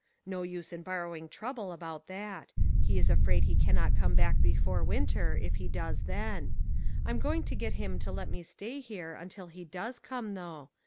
"No use in borrow ing trouble about that. He is afraid he cannot come back before winter, if he does then. I'm going to get him to let me stay here until he does come, though.